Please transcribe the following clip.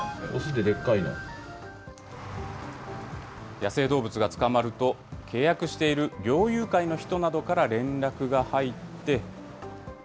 野生動物が捕まると契約している猟友会の人などから連絡が入って。